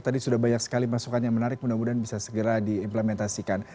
tadi sudah banyak sekali masukan yang menarik mudah mudahan bisa segera diimplementasikan